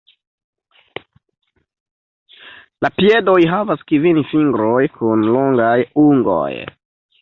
La piedoj havas kvin fingroj kun longaj ungoj.